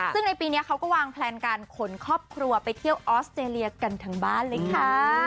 ซึ่งในปีนี้เขาก็วางแพลนการขนครอบครัวไปเที่ยวออสเตรเลียกันทั้งบ้านเลยค่ะ